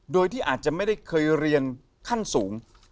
โดยที่อาจจะไม่ได้เคยเรียนขั้นสูง